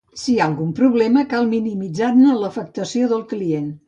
Si hi ha algun problema, cal minimitzar-ne l'afectació del client.